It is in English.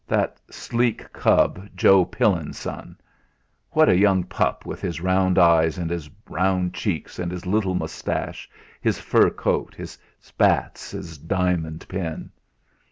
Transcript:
That sleek cub, Joe Pillin's son! What a young pup with his round eyes, and his round cheeks, and his little moustache, his fur coat, his spats, his diamond pin!